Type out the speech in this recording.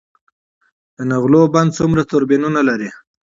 د نغلو بند څومره توربینونه لري؟